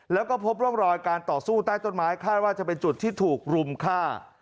แล้วก็พบร่องรอยการต่อสู้ใต้ต้นไม้คาดว่าจะเป็นจุดที่ถูกรุมฆ่า